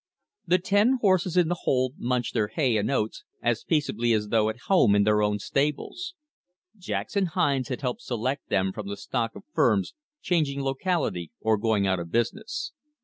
The ten horses in the hold munched their hay and oats as peaceably as though at home in their own stables. Jackson Hines had helped select them from the stock of firms changing locality or going out of business.